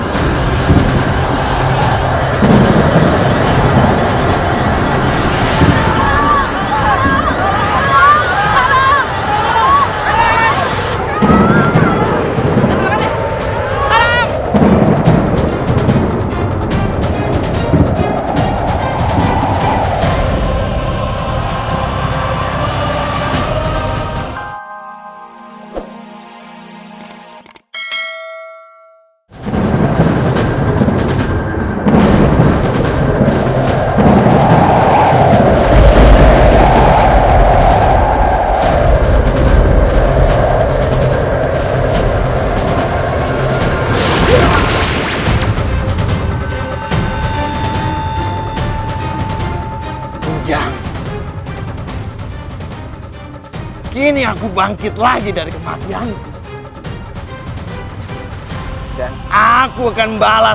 jangan lupa like share dan subscribe channel ini untuk dapat info terbaru